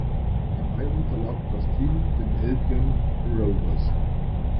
Dabei unterlag das Team den Albion Rovers.